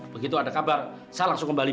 begitu ada kabar saya langsung ke rumahnya